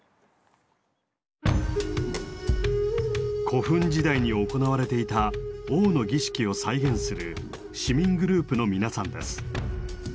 古墳時代に行われていた「王の儀式」を再現する市民グループの皆さんです。